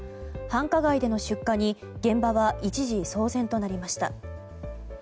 繁華街での出火に現場は一時騒然となりました。